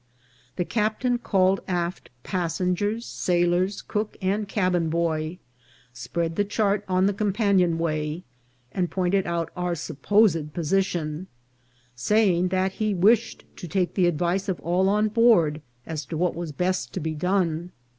The captain A MEETING AT SEA. 465 called aft passengers, sailors, cook, and cabin boy, spread the chart on the companion way, and pointed out our supposed position, saying that he wished to take the advice of all on board as to what was best to be done.